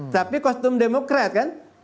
tapi kostum demokrat kan